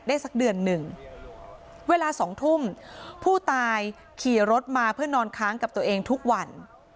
สักเดือนหนึ่งเวลาสองทุ่มผู้ตายขี่รถมาเพื่อนอนค้างกับตัวเองทุกวัน